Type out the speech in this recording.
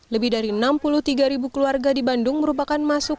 lebih dari enam puluh tiga keluarga di bandung merupakan masukan